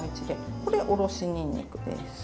これおろしにんにくです。